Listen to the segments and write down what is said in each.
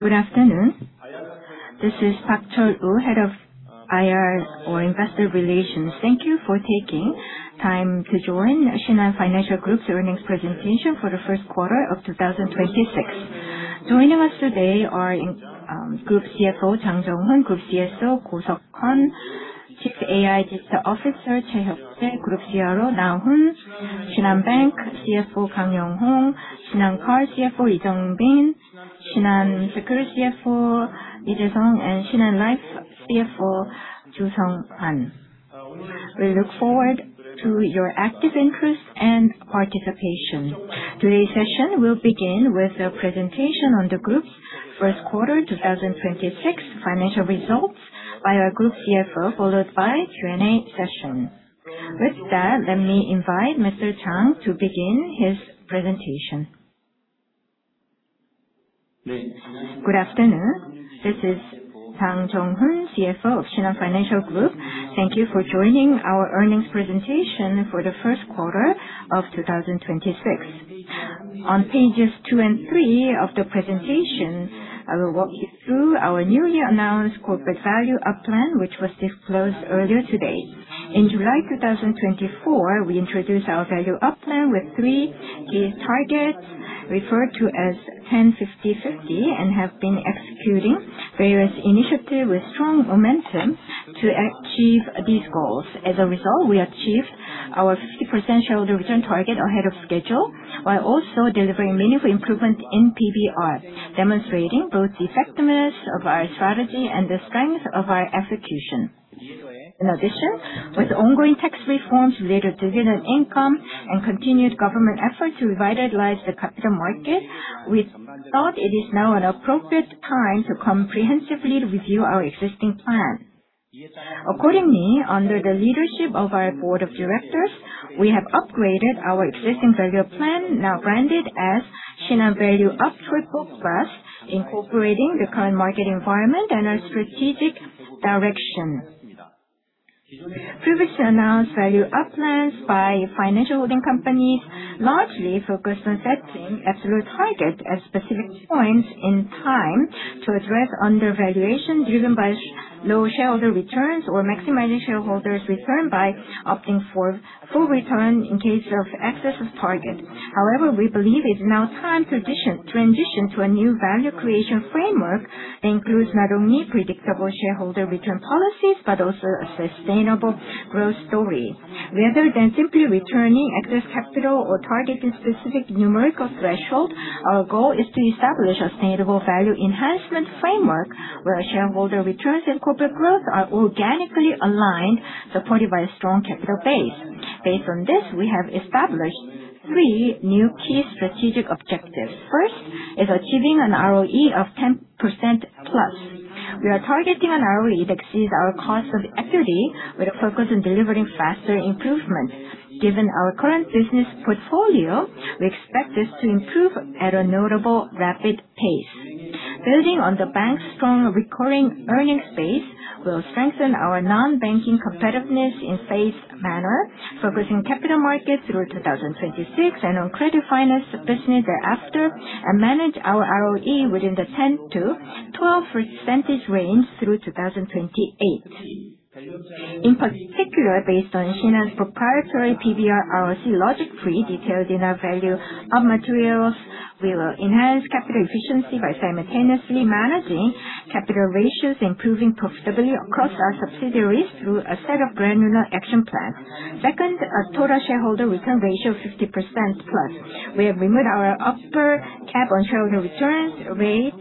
Good afternoon. This is Park Chulwoo, Head of IR or Investor Relations. Thank you for taking time to join Shinhan Financial Group's earnings presentation for the first quarter of 2026. Joining us today are Group CFO Jang Jonghoon, Group CSO Koh Seok-hun, Chief AI Digital Officer Choi Hyuk-jae, Group CRO Na Hoon, Shinhan Bank CFO Kang Yonghoon, Shinhan Card CFO Lee Jongbin, Shinhan Securities CFO Lee Jaesung, and Shinhan Life CFO Joo Sung Han. We look forward to your active interest and participation. Today's session will begin with a presentation on the group's first quarter 2026 financial results by our Group CFO, followed by a Q&A session. With that, let me invite Mr. Jang to begin his presentation. Good afternoon. This is Jang Jonghoon, CFO of Shinhan Financial Group. Thank you for joining our earnings presentation for the first quarter of 2026. On Pages two and three of the presentation, I will walk you through our newly announced corporate value-up plan, which was disclosed earlier today. In July 2024, we introduced our value-up plan with three key targets referred to as 10/50/50, and have been executing various initiatives with strong momentum to achieve these goals. As a result, we achieved our 50% shareholder return target ahead of schedule, while also delivering meaningful improvement in PBR, demonstrating both the effectiveness of our strategy and the strength of our execution. In addition, with ongoing tax reforms related to dividend income and continued government efforts to revitalize the capital market, we thought it is now an appropriate time to comprehensively review our existing plan. Accordingly, under the leadership of our Board of Directors, we have upgraded our existing value plan, now branded as Shinhan Value Up 3.0 Plus, incorporating the current market environment and our strategic direction. Previously announced value-up plans by financial holding companies largely focused on setting absolute targets at specific points in time to address under-valuation driven by low shareholder returns, or maximizing shareholders' return by opting for full return in case of excess of target. However, we believe it is now time to transition to a new value creation framework that includes not only predictable shareholder return policies, but also a sustainable growth story. Rather than simply returning excess capital or targeting specific numerical threshold, our goal is to establish a sustainable value enhancement framework where shareholder returns and corporate growth are organically aligned, supported by a strong capital base. Based on this, we have established three new key strategic objectives. First is achieving an ROE of 10%+. We are targeting an ROE that exceeds our cost of equity with a focus on delivering faster improvement. Given our current business portfolio, we expect this to improve at a notably rapid pace. Building on the bank's strong recurring earnings base will strengthen our non-banking competitiveness in a phased manner, focusing capital markets through 2026 and on credit finance business thereafter, and manage our ROE within the 10%-12% range through 2028. In particular, based on Shinhan's proprietary PBR ROC logic tree detailed in our Value-Up materials, we will enhance capital efficiency by simultaneously managing capital ratios, improving profitability across our subsidiaries through a set of granular action plans. Second, a total shareholder return ratio of 50%+. We have removed our upper cap on shareholder returns rate,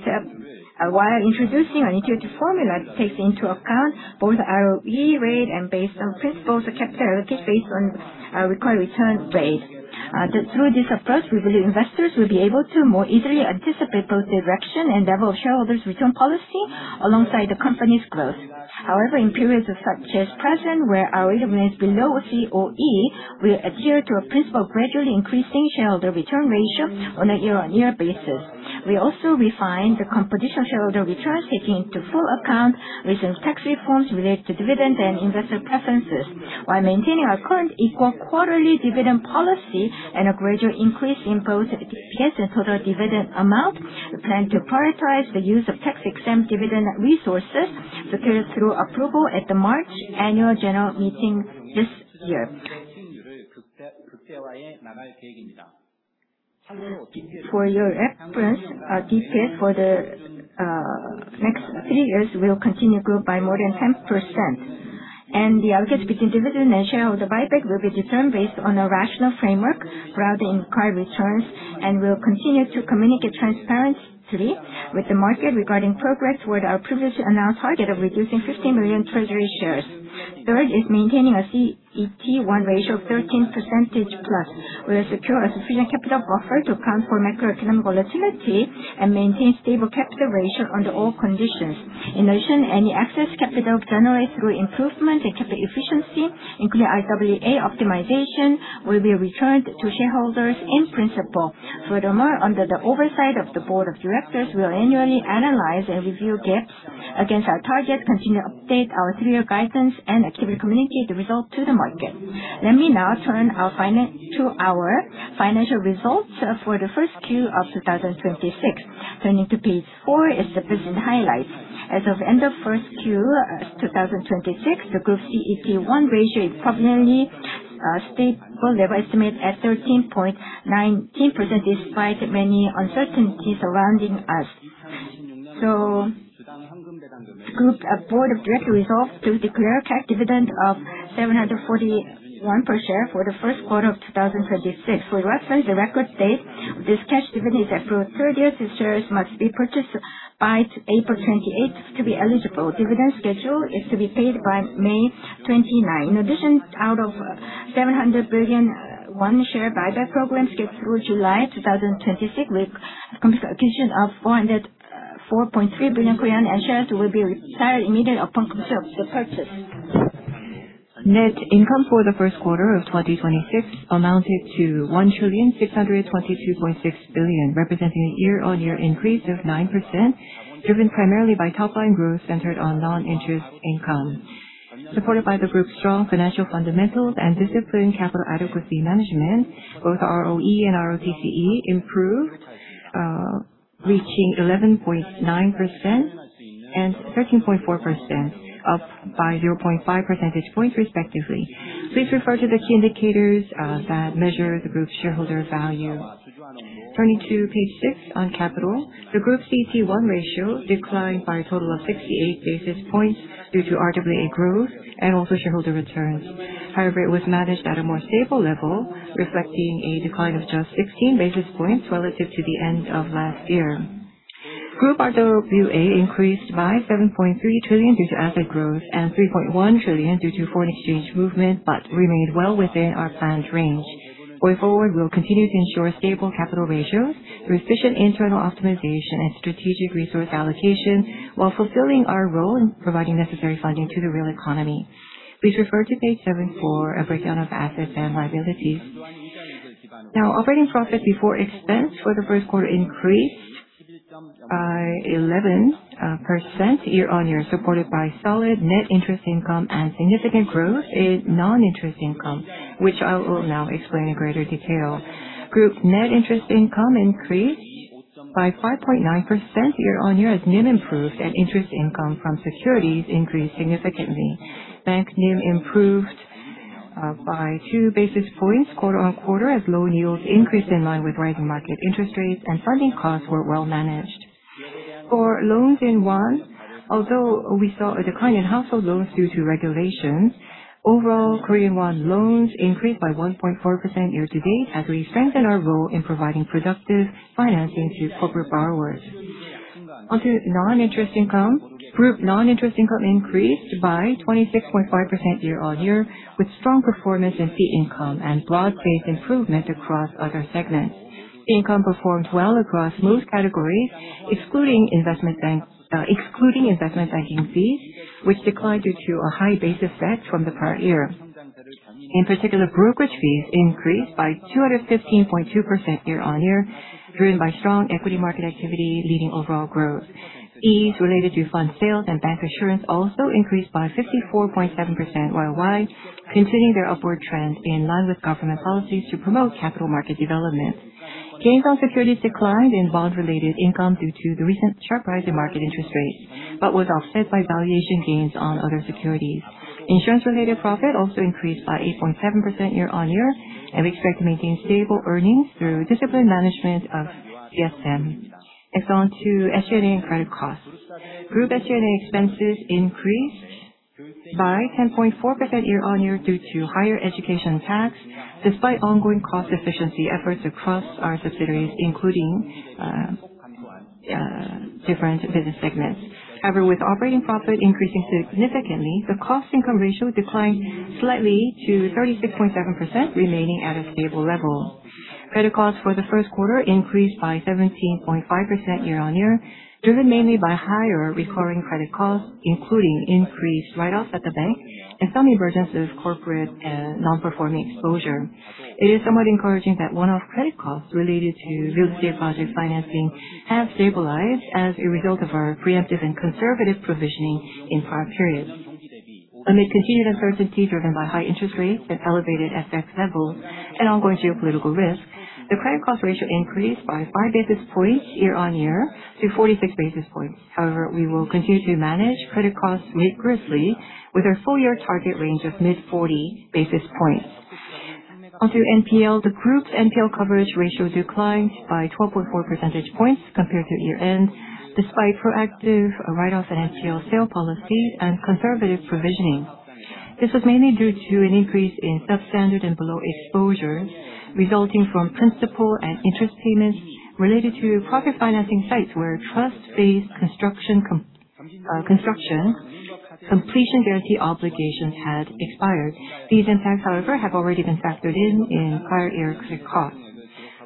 while introducing an intuitive formula that takes into account both ROE rate and, based on principles of capital allocation based on our required return rate. Through this approach, we believe investors will be able to more easily anticipate both direction and level of shareholders' return policy alongside the company's growth. However, in periods such as the present, where our ROE remains below COE, we adhere to a principle of gradually increasing shareholder return ratio on a year-over-year basis. We also refined the comprehensive shareholder returns, taking into full account recent tax reforms related to dividend and investor preferences. While maintaining our current equal quarterly dividend policy and a gradual increase in both DPS and total dividend amount, we plan to prioritize the use of tax-exempt dividend resources subject to approval at the March Annual General Meeting this year. For your reference, our DPS for the next three years will continue to grow by more than 10%, and the allocation between dividend and shareholder buyback will be determined based on a rational framework rather than current returns, and will continue to communicate transparently with the market regarding progress toward our previously announced target of reducing 50 million treasury shares. Third is maintaining a CET1 ratio of 13%+. We'll secure a sufficient capital buffer to account for macroeconomic volatility and maintain stable capital ratio under all conditions. In addition, any excess capital generated through improvement in capital efficiency, including RWA optimization, will be returned to shareholders in principle. Furthermore, under the oversight of the Board of Directors, we'll annually analyze and review DPS. Against our target, continue to update our three-year guidance and actively communicate the results to the market. Let me now turn to our financial results for the first Q of 2026. Turning to Page four is the business highlights. As of end of first Q 2026, the group CET1 ratio remains stable. We estimate at 13.19%, despite many uncertainties surrounding us. The group Board of Directors resolved to declare a cash dividend of 741 per share for the first quarter of 2026. For reference, the record date for this cash dividend is April 30th. The shares must be purchased by April 28th to be eligible. Dividend schedule is to be paid by May 29. In addition, out of 700 billion, one share buyback program schedule July 2026, with completion of 4.3 billion, and shares will be retired immediately upon the purchase. Net income for the first quarter of 2026 amounted to 1,622.6 billion, representing a year-on-year increase of 9%, driven primarily by top line growth centered on non-interest income. Supported by the group's strong financial fundamentals and disciplined capital adequacy management, both ROE and ROTCE improved, reaching 11.9% and 13.4%, up by 0.5 percentage points respectively. Please refer to the key indicators that measure the group's shareholder value. Turning to Page six on capital. The group CET1 ratio declined by a total of 68 basis points due to RWA growth and also shareholder returns. However, it was managed at a more stable level, reflecting a decline of just 16 basis points relative to the end of last year. Group RWA increased by 7.3 trillion due to asset growth and 3.1 trillion due to foreign exchange movement, but remained well within our planned range. Going forward, we'll continue to ensure stable capital ratios through efficient internal optimization and strategic resource allocation, while fulfilling our role in providing necessary funding to the real economy. Please refer to Page seven for a breakdown of assets and liabilities. Now, operating profit before expense for the first quarter increased by 11% year-on-year, supported by solid net interest income and significant growth in non-interest income, which I will now explain in greater detail. Group net interest income increased by 5.9% year-on-year, as NIM improved and interest income from securities increased significantly. Bank NIM improved by 2 basis points quarter-on-quarter as loan yields increased in line with rising market interest rates, and funding costs were well managed. For loans in won, although we saw a decline in household loans due to regulations, overall Korean won loans increased by 1.4% year-to-date as we strengthen our role in providing productive financing to corporate borrowers. Onto non-interest income. Group non-interest income increased by 26.5% year-over-year, with strong performance in fee income and broad-based improvement across other segments. Fee income performed well across most categories, excluding investment banking fees, which declined due to a high base effect from the prior year. In particular, brokerage fees increased by 215.2% year-over-year, driven by strong equity market activity, leading overall growth. Fees related to fund sales and bancassurance also increased by 54.7% year-over-year, continuing their upward trend in line with government policies to promote capital market development. Gains on securities declined in bond-related income due to the recent sharp rise in market interest rates, but was offset by valuation gains on other securities. Insurance-related profit also increased by 8.7% year-on-year, and we expect to maintain stable earnings through disciplined management of CSM. Next on to SG&A credit costs. Group SG&A expenses increased by 10.4% year-on-year due to higher education tax, despite ongoing cost efficiency efforts across our subsidiaries, including different business segments. However, with operating profit increasing significantly, the cost income ratio declined slightly to 36.7%, remaining at a stable level. Credit costs for the first quarter increased by 17.5% year-on-year, driven mainly by higher recurring credit costs, including increased write-offs at the bank and some emergence of corporate non-performing exposure. It is somewhat encouraging that one-off credit costs related to real estate project financing have stabilized as a result of our preemptive and conservative provisioning in prior periods. Amid continued uncertainty driven by high interest rates and elevated FX levels and ongoing geopolitical risk, the credit cost ratio increased by 5 basis points year-on-year to 46 basis points. However, we will continue to manage credit costs rigorously with our full-year target range of mid 40 basis points. Onto NPL. The group NPL coverage ratio declined by 12.4 percentage points compared to year-end, despite proactive write-offs and NPL sale policy and conservative provisioning. This was mainly due to an increase in substandard and below exposures, resulting from principal and interest payments related to project financing sites where Trust phase construction completion guarantee obligations had expired. These impacts, however, have already been factored in prior year credit costs.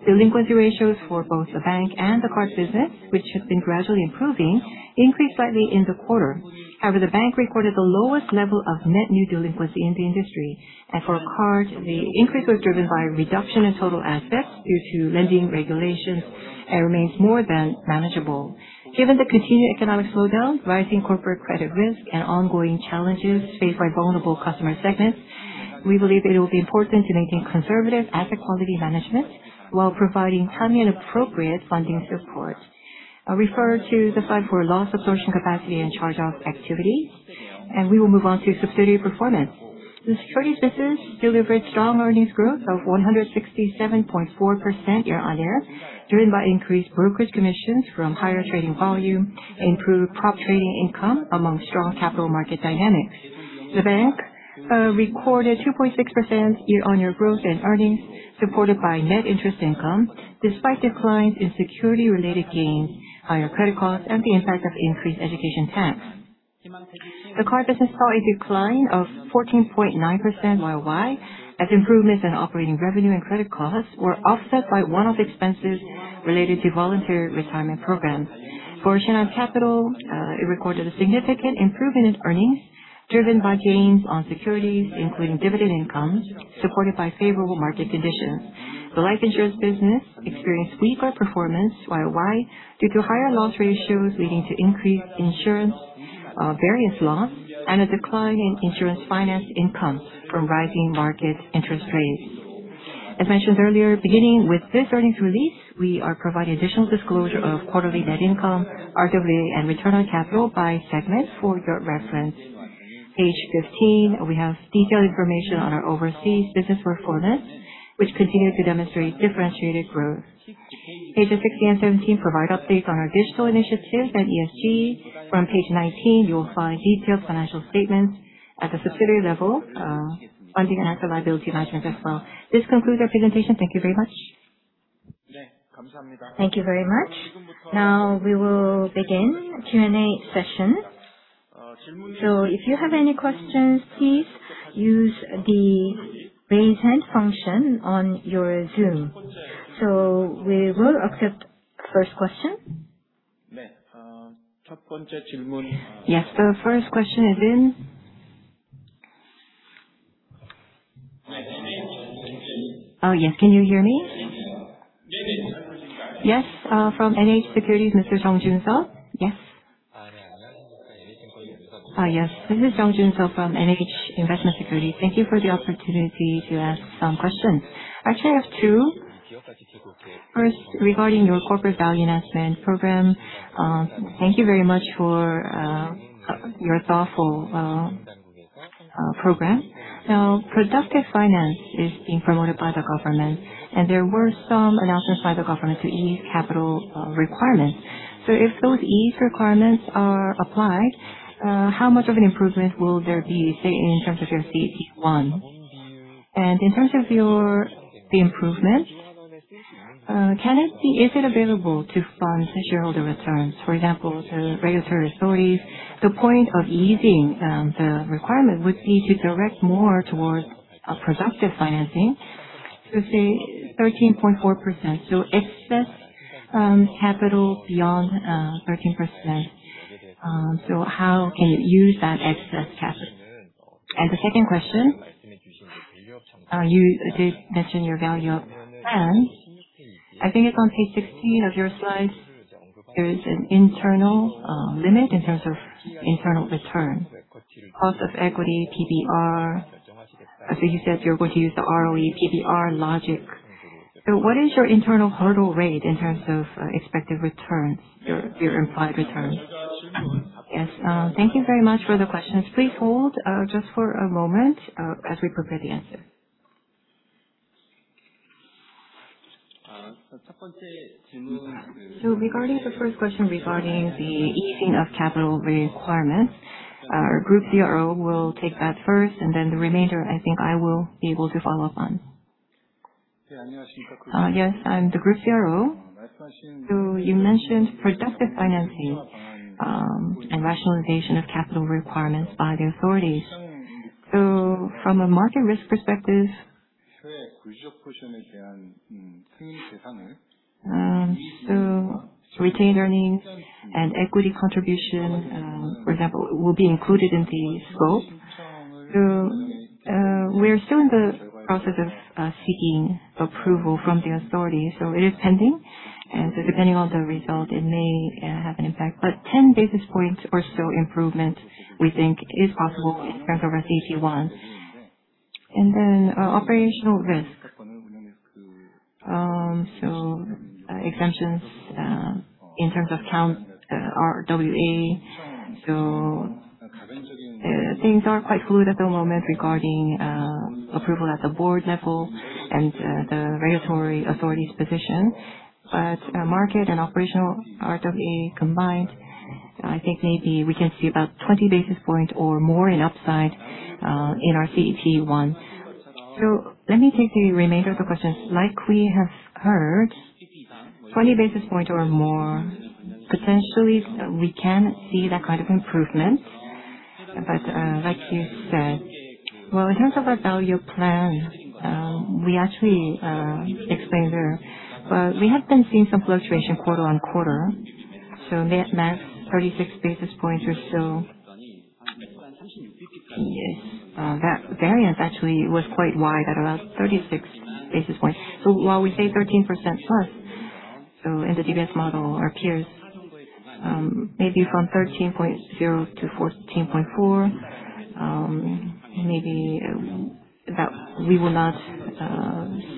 Delinquency ratios for both the bank and the card business, which has been gradually improving, increased slightly in the quarter. However, the bank recorded the lowest level of net new delinquency in the industry. For card, the increase was driven by a reduction in total assets due to lending regulations and remains more than manageable. Given the continued economic slowdown, rising corporate credit risk, and ongoing challenges faced by vulnerable customer segments, we believe it will be important to maintain conservative asset quality management while providing timely and appropriate funding support. Regarding the fund for loss absorption capacity and charge-off activity, we will move on to subsidiary performance. The securities business delivered strong earnings growth of 167.4% year-on-year, driven by increased brokers' commissions from higher trading volume, improved prop trading income among strong capital market dynamics. The bank recorded 2.6% year-over-year growth in earnings, supported by net interest income, despite declines in security-related gains, higher credit costs, and the impact of increased education tax. The Card business saw a decline of 14.9% year-over-year, as improvements in operating revenue and credit costs were offset by one-off expenses related to voluntary retirement programs. For Shinhan Capital, it recorded a significant improvement in earnings, driven by gains on securities, including dividend income supported by favorable market conditions. The Life Insurance business experienced weaker performance Y-o-Y due to higher loss ratios, leading to increased insurance various loss, and a decline in insurance finance income from rising market interest rates. As mentioned earlier, beginning with this earnings release, we are providing additional disclosure of quarterly net income, RWA, and return on capital by segment for your reference. Page 15, we have detailed information on our Overseas business performance, which continued to demonstrate differentiated growth. Pages 16 and 17 provide updates on our digital initiatives and ESG. From page 19, you will find detailed financial statements at the subsidiary level, funding and asset liability management as well. This concludes our presentation. Thank you very much. Now we will begin Q&A session. If you have any questions, please use the Raise Hand function on your Zoom. We will accept first question. Can you hear me? Yes. From NH Investment & Securities, Mr. Jeong Jun-seop. This is Jeong Jun-seop from NH Investment & Securities. Thank you for the opportunity to ask some questions. Actually, I have two. First, regarding your corporate value enhancement program, thank you very much for your thoughtful program. Now, productive finance is being promoted by the government, and there were some announcements by the government to ease capital requirements. If those eased requirements are applied, how much of an improvement will there be, say, in terms of your CET1?\ In terms of the improvement, is it available to fund shareholder returns? For example, to regulatory authorities, the point of easing the requirement would be to direct more towards productive financing to, say, 13.4%, so excess capital beyond 13%. How can you use that excess capital? The second question, you did mention your value-up plans. I think it's on Page 16 of your slides. There is an internal limit in terms of internal return. Cost of equity, PBR. I see you said you're going to use the ROE, PBR logic. What is your internal hurdle terms of internal return. Cost of equity, PBR. I see you said you're going to use the ROE, PBR logic. What is your rate in terms of expected returns? Your implied returns? Yes. Thank you very much for the questions. Please hold just for a moment as we prepare the answers. Regarding the first question regarding the easing of capital requirements, our Group CRO will take that first, and then the remainder, I think I will be able to follow up on. Yes, I'm the Group CRO. You mentioned productive financing, and rationalization of capital requirements by the authorities. From a market risk perspective, retained earnings and equity contribution, for example, will be included in the scope. We're still in the process of seeking approval from the authorities, so it is pending, and depending on the result, it may have an impact, but 10 basis points or so improvement we think is possible in terms of our CET1. Then operational risk. Exemptions in terms of count RWA. Things are quite fluid at the moment regarding approval at the Board level and the regulatory authority's position. Market and operational RWA combined, I think maybe we can see about 20 basis points or more in upside in our CET1. Let me take the remainder of the questions. Like we have heard, 20 basis point or more, potentially, we can see that kind of improvement. Like you said, well, in terms of our value plan, we actually explained there. We have been seeing some fluctuation quarter-on-quarter. Net max 36 basis points or so. Yes. That variance actually was quite wide at around 36 basis points. While we say 13%+, in the DBS model, our peers. Maybe from 13.0% to 14.4%, maybe we will not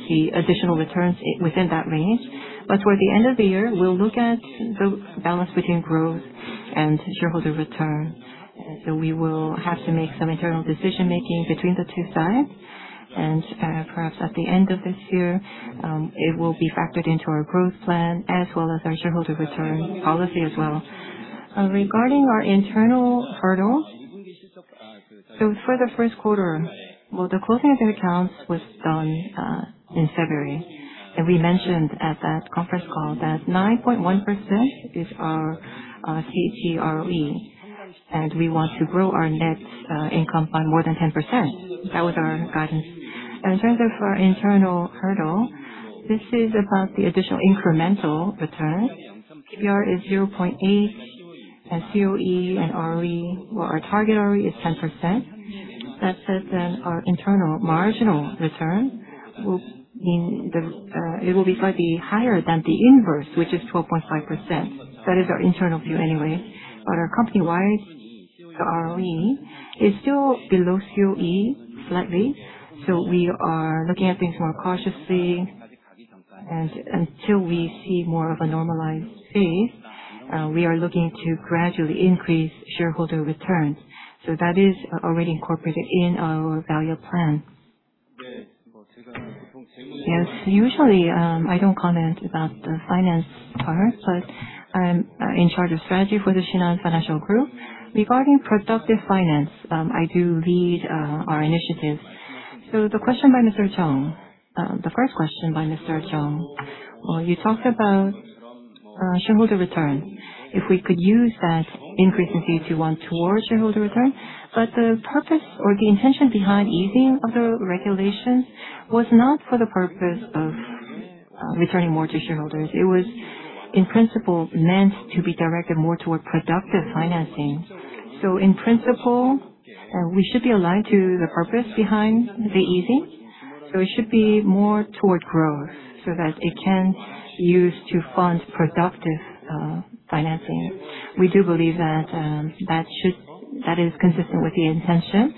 see additional returns within that range. Toward the end of the year, we'll look at the balance between growth and shareholder return. We will have to make some internal decision-making between the two sides. Perhaps at the end of this year, it will be factored into our growth plan as well as our shareholder return policy as well. Regarding our internal hurdle, so for the first quarter, well, the closing of the accounts was done in February. We mentioned at that conference call that 9.1% is our tangible ROE, and we want to grow our net income by more than 10%. That was our guidance. In terms of our internal hurdle, this is about the additional incremental returns. PBR is 0.8, and COE and ROE, well, our target ROE is 10%. That said, our internal marginal return, it will be slightly higher than the inverse, which is 12.5%. That is our internal view anyway. Our company-wide ROE is still below COE slightly, so we are looking at things more cautiously. Until we see more of a normalized phase, we are looking to gradually increase shareholder returns. That is already incorporated in our value plan. Yes, usually, I don't comment about the finance part, but I'm in charge of strategy for the Shinhan Financial Group. Regarding productive finance, I do lead our initiatives. The first question by Mr. Jeong, you talked about shareholder return. If we could use that increase in CET1 toward shareholder return. The purpose or the intention behind easing of the regulations was not for the purpose of returning more to shareholders. It was, in principle, meant to be directed more toward productive financing. In principle, we should be aligned to the purpose behind the easing. It should be more toward growth so that it can be used to fund productive financing. We do believe that is consistent with the intention.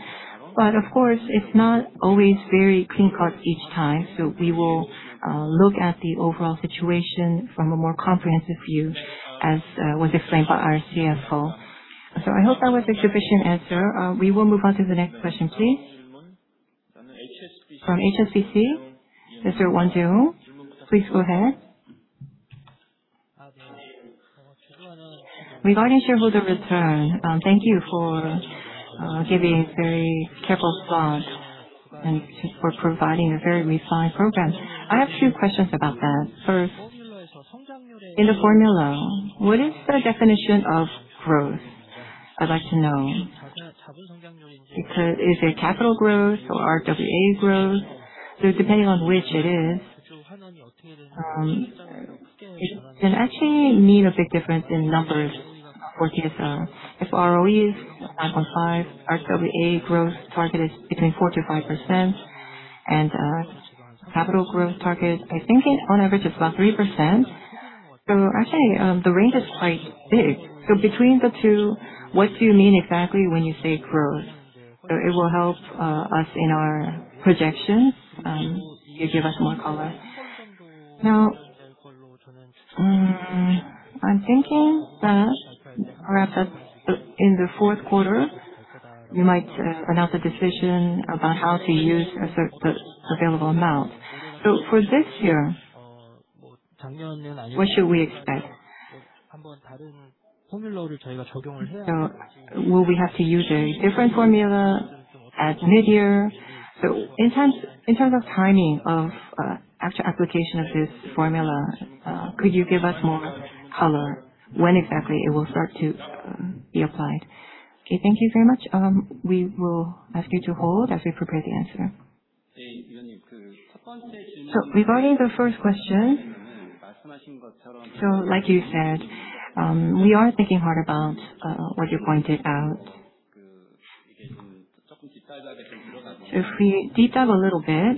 Of course, it's not always very clean cut each time. We will look at the overall situation from a more comprehensive view, as was explained by our CFO. I hope that was a sufficient answer. We will move on to the next question, please. From HSBC, Mr. Won Jaewoong, please go ahead. Regarding shareholder return. Thank you for giving very careful thought and for providing a very refined program. I have two questions about that. First, in the formula, what is the definition of growth? I'd like to know. Because, is it capital growth or RWA growth? Depending on which it is, it can actually mean a big difference in numbers for TSR. If ROE is 9.5%, RWA growth target is between 4%-5%, and capital growth target, I think on average it's about 3%. Actually, the range is quite big. Between the two, what do you mean exactly when you say growth? It will help us in our projections if you give us more color. Now, I'm thinking that perhaps that in the fourth quarter, you might announce a decision about how to use the available amount. For this year, what should we expect? Will we have to use a different formula at mid-year? In terms of timing of actual application of this formula, could you give us more color when exactly it will start to be applied? Okay, thank you very much. We will ask you to hold as we prepare the answer. Regarding the first question, like you said, we are thinking hard about what you pointed out. If we deep dive a little bit,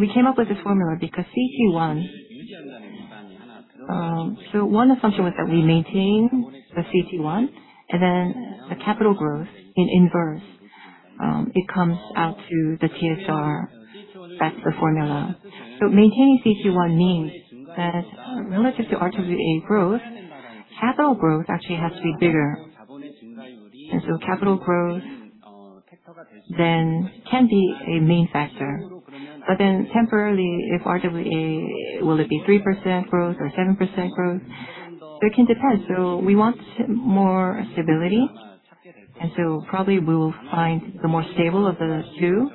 we came up with this formula because CET1. One assumption was that we maintain the CET1, and then the capital growth in inverse, it comes out to the TSR. That's the formula. Maintaining CET1 means that relative to RWA growth, capital growth actually has to be bigger. Capital growth then can be a main factor. Then temporarily, if RWA, will it be 3% growth or 7% growth? It can depend. We want more stability, and probably we will find the more stable of the two.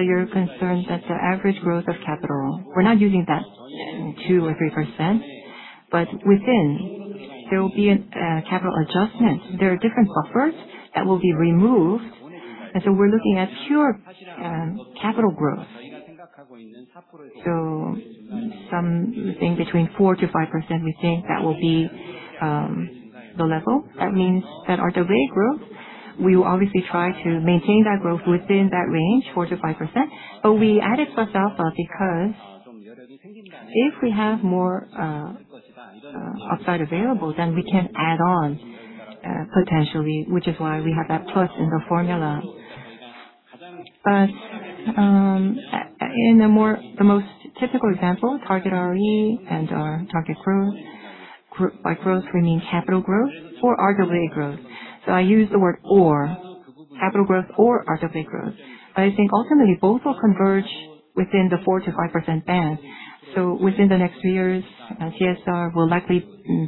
Your concern is that the average growth of capital, we're not using that 2% or 3%, but within, there will be a capital adjustment. There are different buffers that will be removed, and we're looking at pure capital growth. Something between 4%-5%, we think that will be the level. That means that our RWA growth, we will obviously try to maintain that growth within that range, 4%-5%. We added plus alpha because if we have more upside available, then we can add on potentially, which is why we have that plus in the formula. In the most typical example, target ROE and our target growth. By growth, we mean capital growth or RWA growth. I use the word or. Capital growth or RWA growth. I think ultimately both will converge within the 4%-5% band. Within the next few years, TSR will likely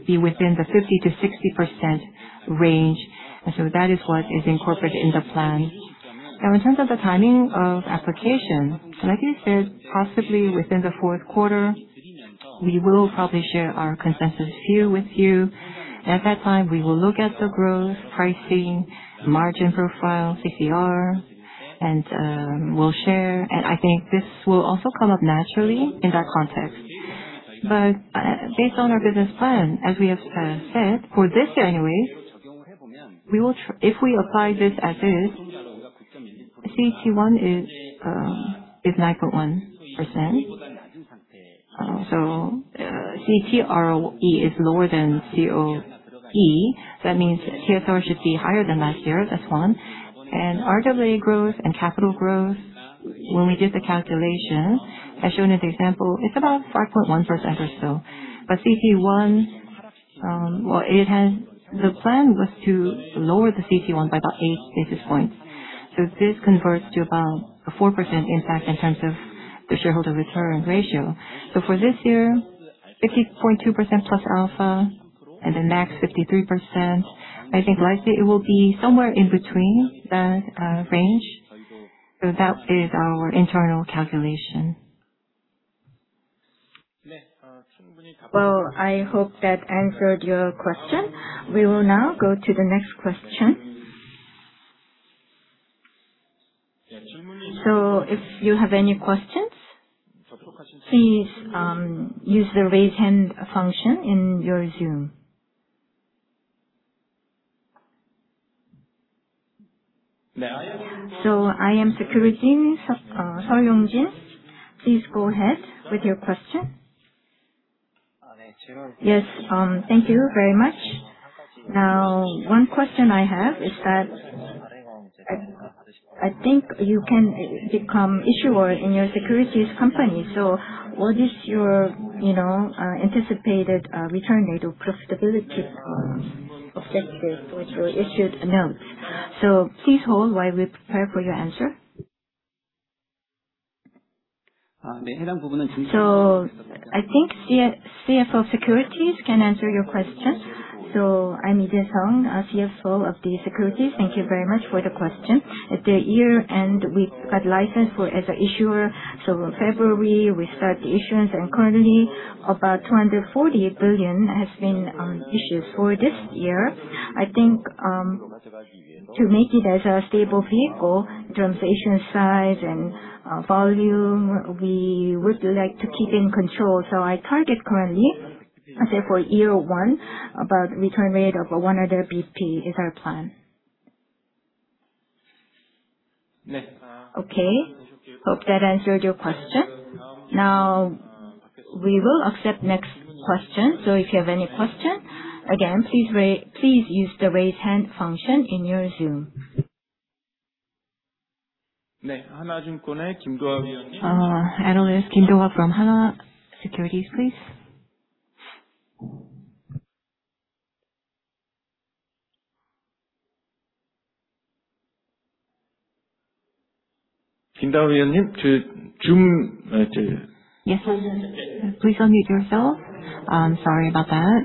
be within the 50%-60% range. That is what is incorporated in the plan. Now, in terms of the timing of application, like I said, possibly within the fourth quarter, we will probably share our consensus view with you. At that time, we will look at the growth, pricing, margin profile, CCR, and we'll share. I think this will also come up naturally in that context. Based on our business plan, as we have said, for this year anyway, if we apply this as is, CET1 is 9.1%. ROTCE is lower than COE. That means TSR should be higher than last year. That's one. RWA growth and capital growth, when we did the calculation, as shown in the example, it's about 5.1% or so. CET1, the plan was to lower the CET1 by about eight basis points. This converts to about a 4% impact in terms of the shareholder return ratio. For this year, 50.2%+ alpha and the max 53%, I think likely it will be somewhere in between that range. That is our internal calculation. Well, I hope that answered your question. We will now go to the next question. If you have any questions, please use the raise hand function in your Zoom. iM Securities, Seol Yong-jin, please go ahead with your question. Yes. Thank you very much. Now, one question I have is that I think you can become issuer in your securities company. What is your anticipated return rate or profitability objectives, and the issued amount? Please hold while we prepare for your answer. I think Shinhan Securities' CFO can answer your question. I'm Lee Jaesung, CFO of Shinhan Securities. Thank you very much for the question. At the year-end, we got licensed as an issuer. In February, we start the issuance, and currently about 240 billion has been issued. For this year, I think to make it as a stable vehicle in terms of issue size and volume, we would like to keep in control. I target currently, let's say for year one, about return rate of 100 basis points is our plan. Okay. Hope that answered your question. Now we will accept next question. If you have any question, again, please use the raise hand function in your Zoom. Analyst Kim Do-ha from Hanwha Securities, please. Yes. Please unmute yourself. I'm sorry about that.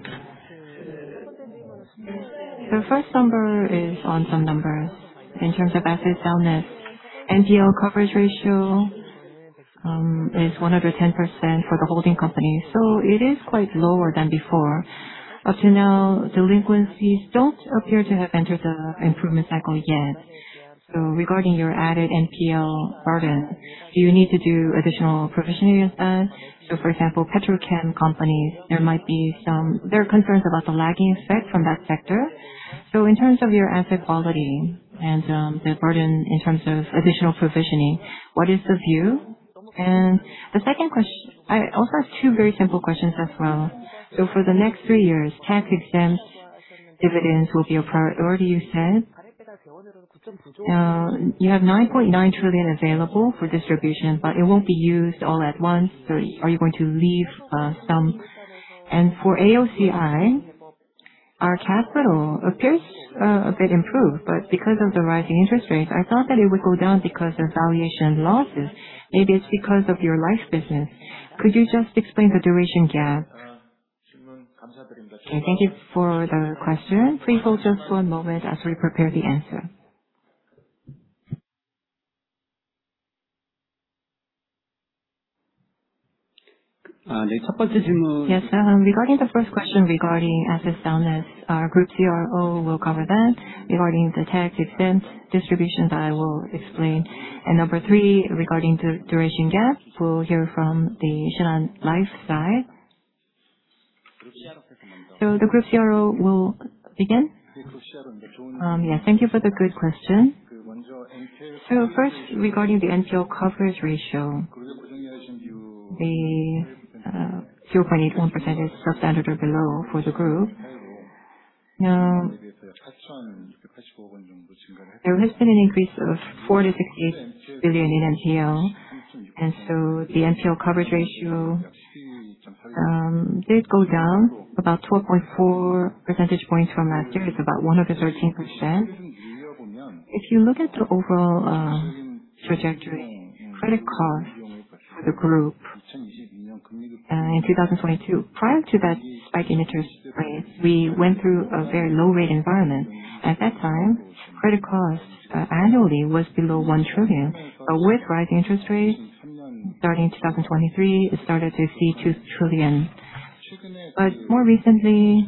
In terms of assets soundness, NPL coverage ratio is 110% for the holding company. It is quite lower than before. Up to now, delinquencies don't appear to have entered the improvement cycle yet. Regarding your added NPL burden, do you need to do additional provisioning expense? For example, petrochemical companies, there are concerns about the lagging effect from that sector. In terms of your asset quality and the burden in terms of additional provisioning, what is the view? I also have two very simple questions as well. For the next three years, tax-exempt dividends will be a priority you said. You have 9.9 trillion available for distribution, but it won't be used all at once. Are you going to leave some? For AOCI, our capital appears a bit improved, but because of the rising interest rates, I thought that it would go down because of valuation losses. Maybe it's because of your life’s business. Could you just explain the duration gap? Okay, thank you for the question. Please hold just one moment as we prepare the answer. Yes. Regarding the first question regarding assets down there Our group CRO will cover that. Regarding the tax expense distributions, I will explain. Number three, regarding the duration gap, we'll hear from the Shinhan Life side. The group CRO will begin. Yes, thank you for the good question. First, regarding the NPL coverage ratio, the 0.81% is substandard or below for the group. Now, there has been an increase of 40 billion-60 billion in NPL, and so the NPL coverage ratio did go down about 12.4 percentage points from last year. It's about 113%. If you look at the overall trajectory, credit cost for the group in 2022, prior to that spike in interest rates, we went through a very low rate environment. At that time, credit cost annually was below 1 trillion. With rising interest rates starting in 2023, it started to see 2 trillion. More recently,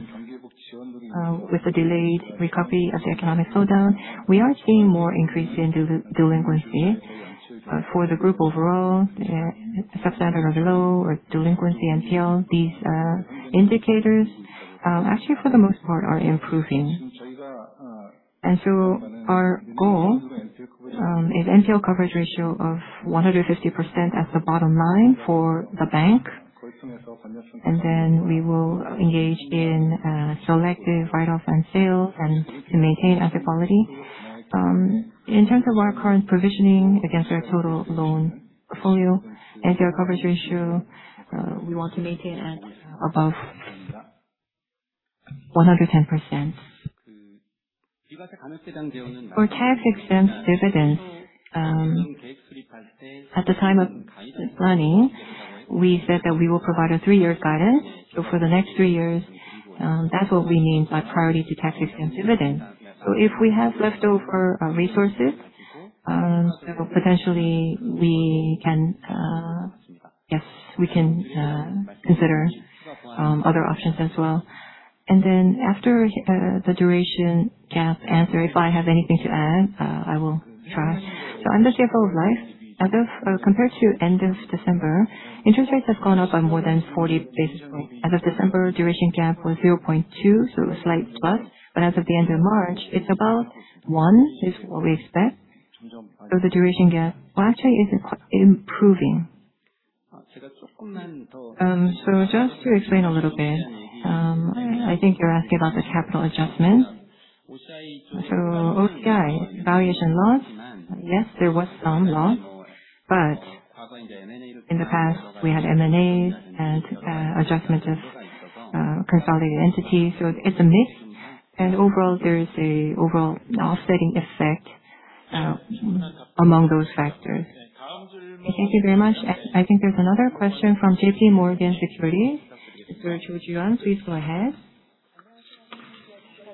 with the delayed recovery of the economic slowdown, we are seeing more increase in delinquency for the group overall, substandard or below or delinquency NPL. These indicators, actually, for the most part, are improving. Our goal is NPL coverage ratio of 150% as the bottom line for the bank. Then we will engage in selective write-off and sales, and to maintain asset quality. In terms of our current provisioning against our total loan portfolio, NPL coverage ratio, we want to maintain at above 110%. For tax-exempt dividends, at the time of planning, we said that we will provide a three-year guidance. For the next three years, that's what we mean by priority to tax-exempt dividends. If we have leftover resources, potentially, yes, we can consider other options as well. After the duration gap answer, if I have anything to add, I will try. I'm the CFO of Life, as of compared to end of December, interest rates have gone up by more than 40 basis points. As of December, duration gap was 0.2, so slight plus. As of the end of March, it's about 1, is what we expect. The duration gap actually is improving. Just to explain a little bit, I think you're asking about the capital adjustment. OCI valuation loss, yes, there was some loss, but in the past we had M&As and adjustment of consolidated entities. It's a mix, and overall, there is an overall offsetting effect among those factors. Thank you very much. I think there's another question from JPMorgan Securities. If it's you, please go ahead.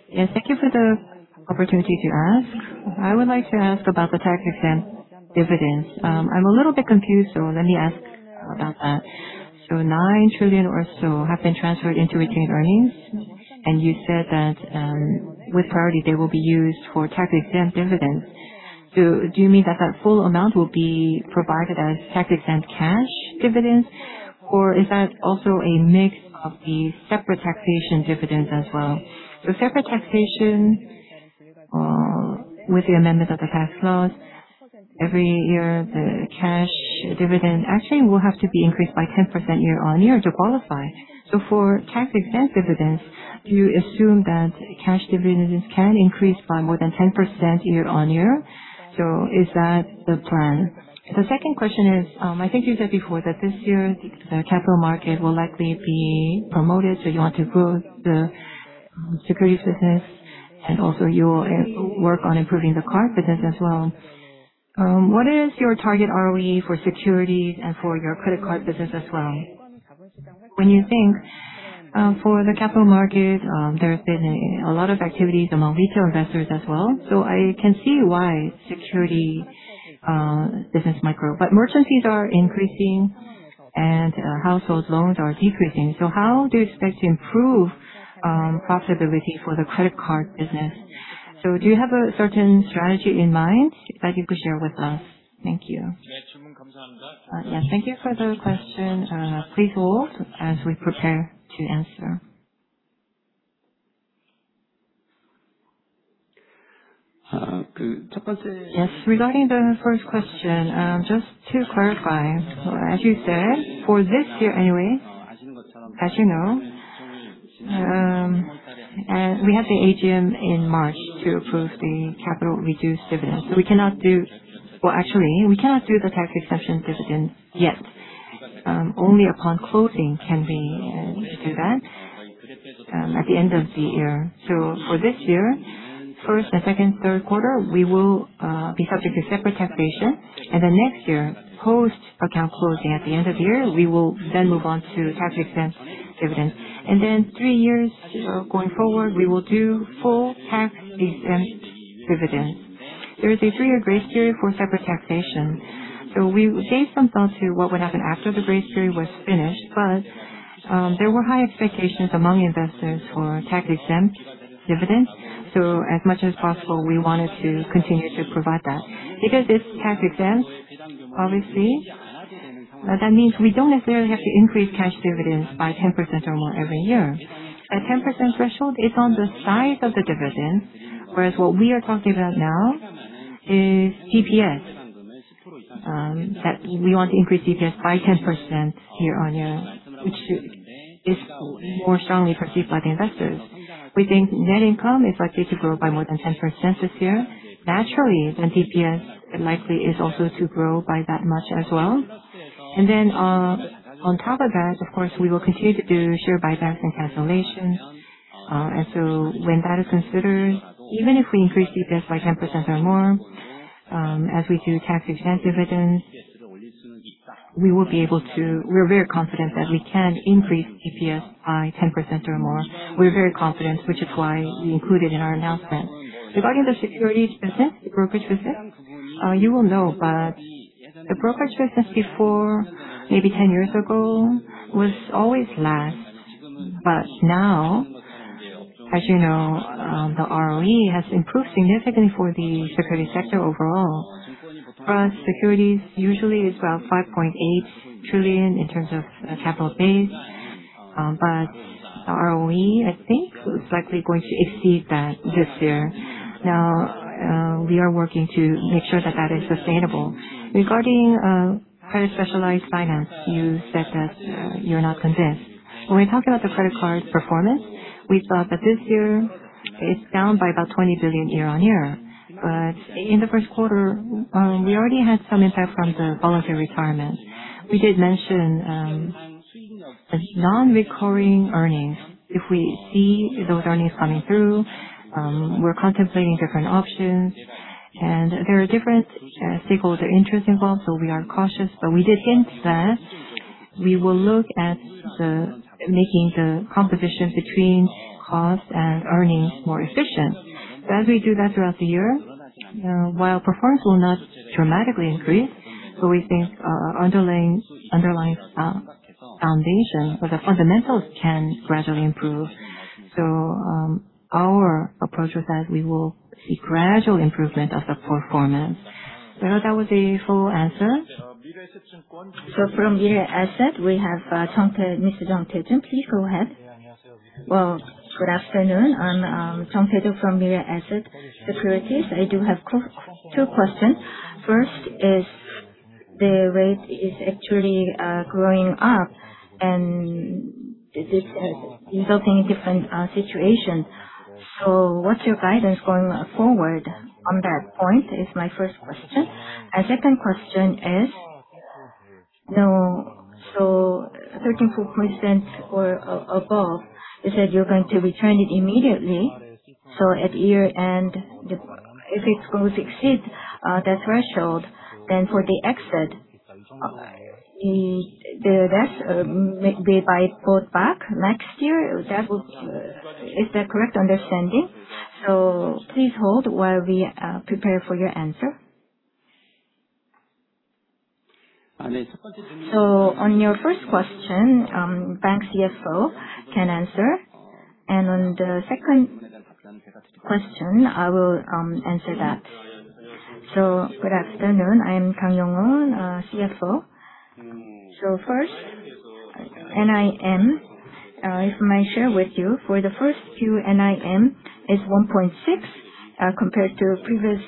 Yes, thank you for the opportunity to ask. I would like to ask about the tax-exempt dividends. I'm a little bit confused, so let me ask about that. 9 trillion or so have been transferred into retained earnings. And you said that with priority, they will be used for tax-exempt dividends. Do you mean that that full amount will be provided as tax-exempt cash dividends? Or is that also a mix of the separate taxation dividends as well? Separate taxation with the amendment of the tax clause, every year the cash dividend actually will have to be increased by 10% year-on-year to qualify. For tax-exempt dividends, do you assume that cash dividends can increase by more than 10% year-on-year? Is that the plan? The second question is, I think you said before that this year the capital market will likely be promoted, so you want to grow the Securities business, and also you will work on improving the card business as well. What is your target ROE for Securities and for your credit card business as well? When you think for the capital market, there has been a lot of activities among retail investors as well, so I can see why securities business might grow. But merchant fees are increasing and household loans are decreasing. So how do you expect to improve profitability for the credit Card business? So do you have a certain strategy in mind that you could share with us? Thank you. Yeah. Thank you for the question. Please hold as we prepare to answer. Yes, regarding the first question, just to clarify, as you said, for this year anyway, as you know, we had the AGM in March to approve the capital reduced dividend. Well, actually, we cannot do the tax exemption dividend yet. Only upon closing can we do that at the end of the year. For this year, first and second, third quarter, we will be subject to separate taxation. Next year, post account closing at the end of the year, we will then move on to tax-exempt dividends. Three years going forward, we will do full tax-exempt dividends. There is a three-year grace period for separate taxation. We gave some thought to what would happen after the grace period was finished, but there were high expectations among investors for tax-exempt dividends. As much as possible, we wanted to continue to provide that. Because it's tax-exempt, obviously, that means we don't necessarily have to increase cash dividends by 10% or more every year. A 10% threshold is on the size of the dividend, whereas what we are talking about now is EPS, that we want to increase EPS by 10% year-on-year, which is more strongly perceived by the investors. We think net income is likely to grow by more than 10% this year. Naturally, then EPS likely is also to grow by that much as well. On top of that, of course, we will continue to do share buybacks and cancellations. When that is considered, even if we increase EPS by 10% or more, as we do tax-exempt dividends, we're very confident that we can increase EPS by 10% or more. We're very confident, which is why we include it in our announcement. Regarding the Securities business, the brokerage business, you will know, but the brokerage business before, maybe 10 years ago, was always last. Now, as you know, the ROE has improved significantly for the security sector overall. For us, securities usually is about 5.8 trillion in terms of capital base. ROE, I think, is likely going to exceed that this year. Now we are working to make sure that that is sustainable. Regarding credit specialized finance, you said that you're not convinced. When we talk about the credit card performance, we thought that this year it's down by about 20 billion year-on-year. In the first quarter, we already had some impact from the voluntary retirement. We did mention the non-recurring earnings. If we see those earnings coming through, we're contemplating different options, and there are different stakeholder interests involved, so we are cautious. We did hint that we will look at making the composition between cost and earnings more efficient. As we do that throughout the year, while performance will not dramatically increase, so we think underlying foundation or the fundamentals can gradually improve. Our approach is that we will see gradual improvement of the performance. I hope that was a full answer. From Mirae Asset, we have Mr. Tae Joon Jeong. Please go ahead. Well, good afternoon. I'm Tae Joon Jeong from Mirae Asset Securities. I do have two questions. First is the rate is actually growing up, and this is resulting in different situations. What's your guidance going forward on that point? Is my first question. My second question is, 34% or above, you said you're going to return it immediately. At year-end, if it's going to exceed that threshold, then for the exit, that may be bought back next year. Is that correct understanding? So please hold while we prepare for your answer. Yes. On your first question, Bank CFO can answer. On the second question, I will answer that. Good afternoon. I am Kang Yoonghoon, CFO. First, NIM, if I may share with you, for the first Q NIM is 1.6% compared to previous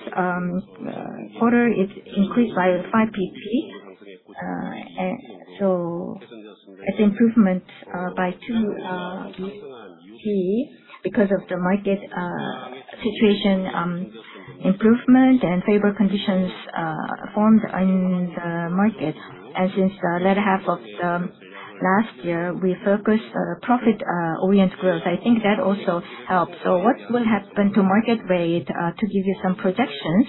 quarter, it increased by 5 basis points. It's improvement by 2 basis points because of the market situation improvement and favorable conditions formed in the market. Since the latter half of last year, we focused on profit-oriented growth. I think that also helped. What will happen to market rate, to give you some projections.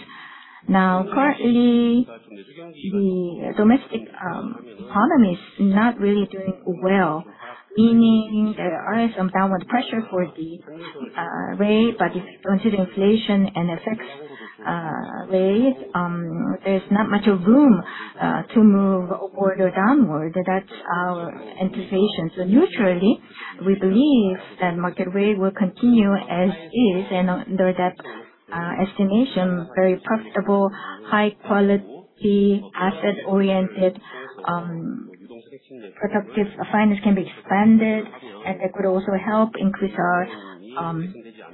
Now, currently, the domestic economy is not really doing well, meaning there are some downward pressure on the rate, but if you consider inflation and expected rate, there's not much room to move upward or downward. That's our anticipation. Neutrally, we believe that market rate will continue as is, and under that estimation, very profitable, high-quality, asset-oriented productive finance can be expanded, and that could also help increase our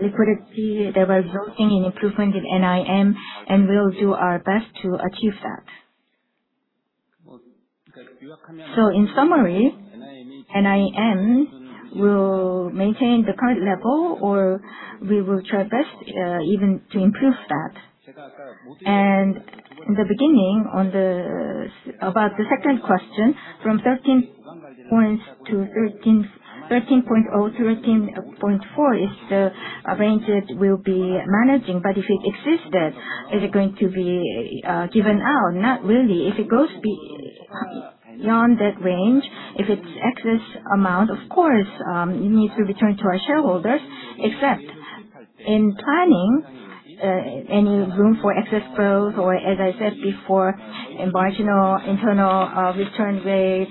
liquidity. That resulting in improvement in NIM, and we'll do our best to achieve that. In summary, NIM will maintain the current level, or we will try best even to improve that. In the beginning, about the second question, from 13.0%-13.4% is the range that we'll be managing. But if it existed, is it going to be given out? Not really. If it goes be- Beyond that range, if it's excess amount, of course, it needs to return to our shareholders. Except in planning any room for excess growth or as I said before, in marginal internal return rate,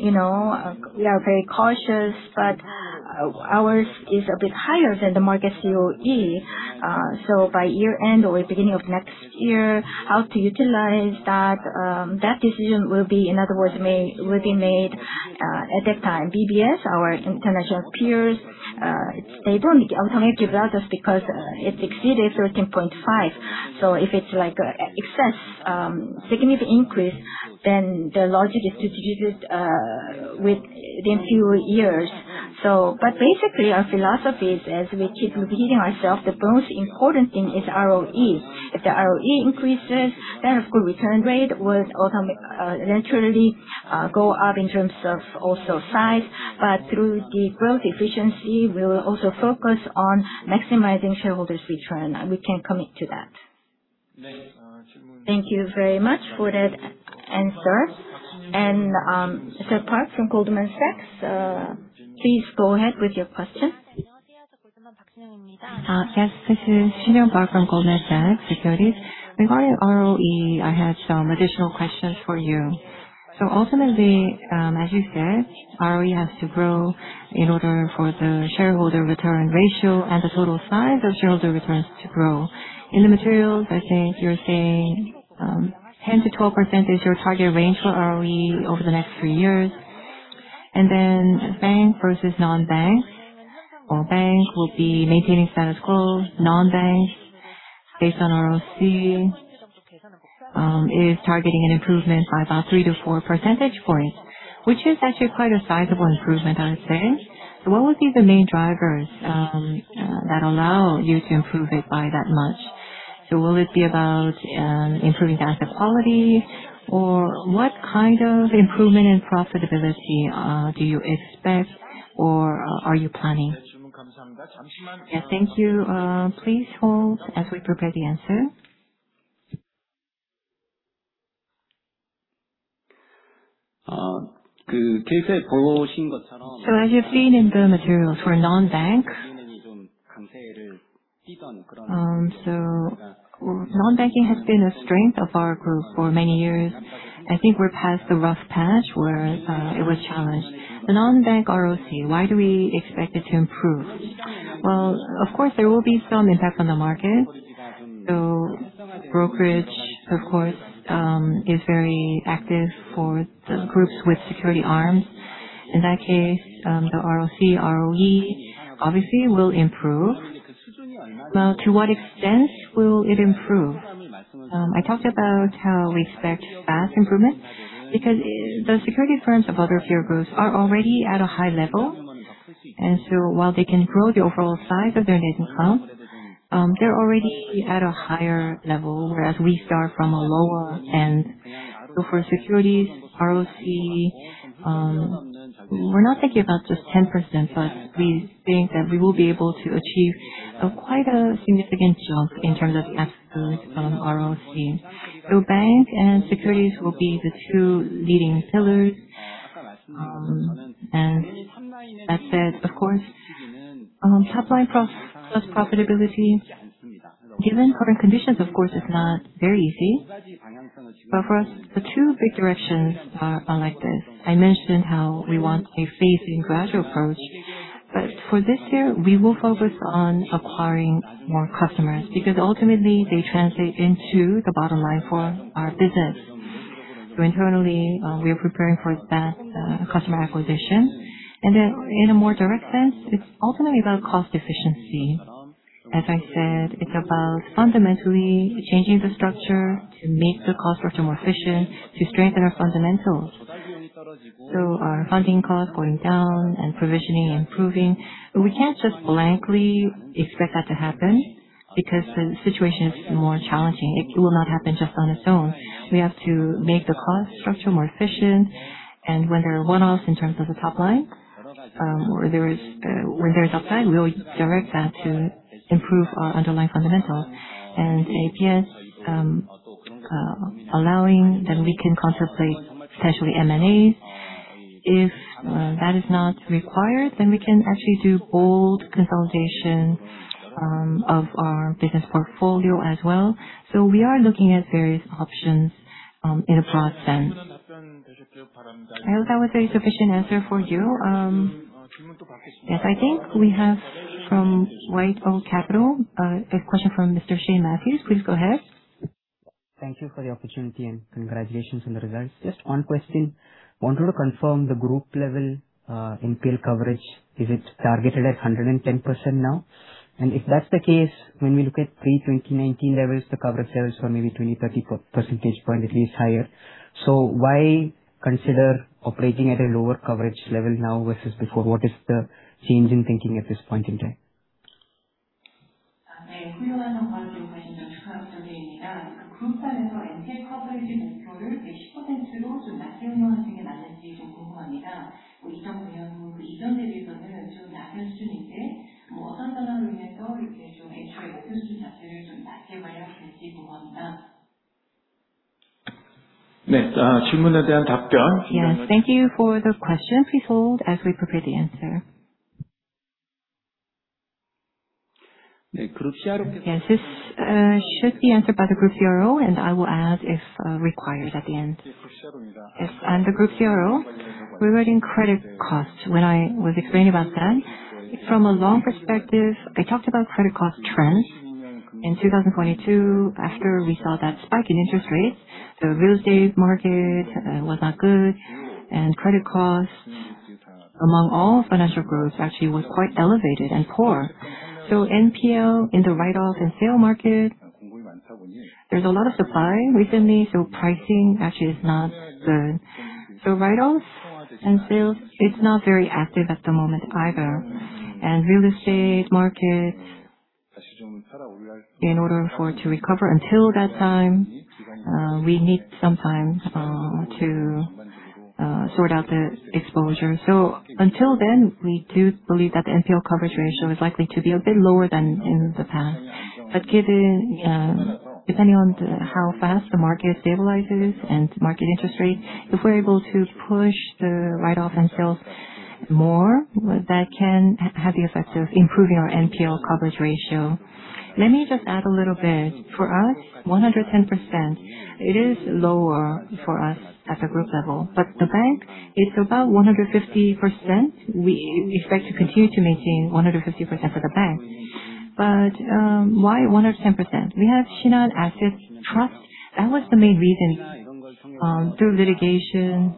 we are very cautious, but ours is a bit higher than the market COE. By year-end or beginning of next year, how to utilize that decision will be, in other words, will be made at that time. But as our international peers, they don't automatically return excess because it exceeded 13.5%. If it's like excess, significant increase, then the logic is to give it within few years. Basically, our philosophy is as we keep repeating ourselves, the most important thing is ROE. If the ROE increases, then of course return rate would naturally go up in terms of also size. Through the growth efficiency, we will also focus on maximizing shareholders return, and we can commit to that. Thank you very much for that answer. Park from Goldman Sachs, please go ahead with your question. Yes, this is Sinyoung Park from Goldman Sachs Securities. Regarding ROE, I had some additional questions for you. Ultimately, as you said, ROE has to grow in order for the shareholder return ratio and the total size of shareholder returns to grow. In the materials, I think you're saying 10%-12% is your target range for ROE over the next three years. Bank versus non-bank. Well, bank will be maintaining status quo, non-bank based on ROC is targeting an improvement by about three to 4 percentage points, which is actually quite a sizable improvement, I would say. What would be the main drivers that allow you to improve it by that much? Will it be about improving asset quality? Or what kind of improvement in profitability do you expect or are you planning? As you've seen in the materials, for non-bank, so non-banking has been a strength of our group for many years. I think we're past the rough patch where it was challenged. The non-bank ROC, why do we expect it to improve? Well, of course, there will be some impact on the market. Brokerage, of course, is very active for the groups with security arms. In that case, the ROC, ROE obviously will improve. Well, to what extent will it improve? I talked about how we expect fast improvement because the securities firms of other peer groups are already at a high level, and so while they can grow the overall size of their net income, they're already at a higher level, whereas we start from a lower end. For securities, ROC, we're not thinking about just 10%, but we think that we will be able to achieve quite a significant jump in terms of absolute ROC. Bank and securities will be the two leading pillars. That said, of course, top line plus profitability, given current conditions, of course, is not very easy. For us, the two big directions are like this. I mentioned how we want a phased and gradual approach. For this year, we will focus on acquiring more customers because ultimately they translate into the bottom line for our business. Internally, we are preparing for fast customer acquisition. Then in a more direct sense, it's ultimately about cost efficiency. As I said, it's about fundamentally changing the structure to make the cost structure more efficient to strengthen our fundamentals, our funding cost going down and provisioning improving. We can't just blindly expect that to happen because the situation is more challenging. It will not happen just on its own. We have to make the cost structure more efficient. When there are one-offs in terms of the top line, where there is upside, we will direct that to improve our underlying fundamentals. EPS, allowing that we can contemplate potentially M&As. If that is not required, we can actually do bold consolidation of our business portfolio as well. We are looking at various options in a broad sense. I hope that was a sufficient answer for you. Yes. I think we have from WhiteOak Capital, a question from Mr. Shane Mathews. Please go ahead. Thank you for the opportunity and congratulations on the results. Just one question. Wanted to confirm the group level NPL coverage, is it targeted at 110% now? If that's the case, when we look at pre-2019 levels, the coverage levels were maybe 20, 30 percentage point at least higher. Why consider operating at a lower coverage level now versus before? What is the change in thinking at this point in time? Yes. Thank you for the question. Please hold as we prepare the answer. Yes. This should be answered by the Group CRO, and I will add if required at the end. Yes, I'm the Group CRO. Regarding credit costs, when I was explaining about that, from a long perspective, I talked about credit cost trends. In 2022, after we saw that spike in interest rates, the real estate market was not good, and credit costs among all financial groups actually was quite elevated and poor. NPL in the write-offs and sale market, there's a lot of supply recently, so pricing actually is not good. Write-offs and sales, it's not very active at the moment either. Real estate market, in order for it to recover, until that time, we need some time to sort out the exposure. Until then, we do believe that the NPL coverage ratio is likely to be a bit lower than in the past. Depending on how fast the market stabilizes and market interest rate, if we're able to push the write-offs and sales more, that can have the effect of improving our NPL coverage ratio. Let me just add a little bit. For us, 110%, it is lower for us at the group level. The bank, it's about 150%. We expect to continue to maintain 150% for the bank. Why 110%? We have Shinhan Asset Trust. That was the main reason. Through litigation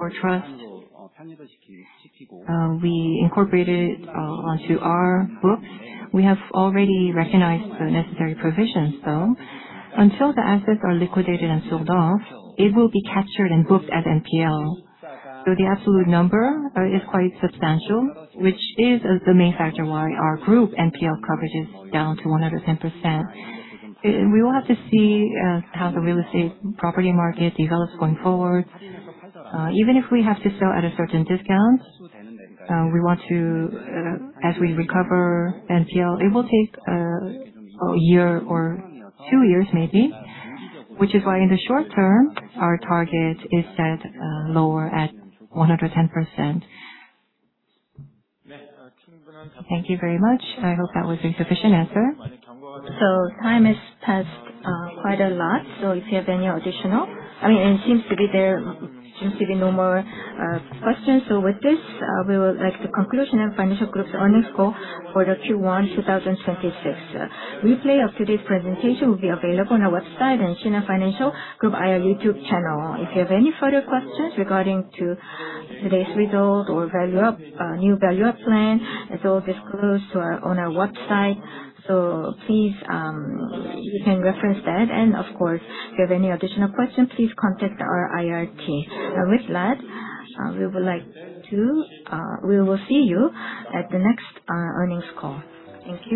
or trust, we incorporated it onto our books. We have already recognized the necessary provisions, though. Until the assets are liquidated and sold off, it will be captured and booked as NPL. The absolute number is quite substantial, which is the main factor why our group NPL coverage is down to 110%. We will have to see how the real estate property market develops going forward. Even if we have to sell at a certain discount, as we recover NPL, it will take a year or two years maybe, which is why in the short-term, our target is set lower at 110%. Thank you very much. I hope that was a sufficient answer. Time has passed quite a lot, so if you have any additional questions, there seems to be no more questions. With this, we would like to conclude Shinhan Financial Group's earnings call for the Q1 2026. Replay of today's presentation will be available on our website and Shinhan Financial Group IR YouTube channel. If you have any further questions regarding today's results or new Value Up plan, it's all disclosed on our website. Please, you can reference that. Of course, if you have any additional questions, please contact our IR team. With that, we will see you at the next earnings call. Thank you.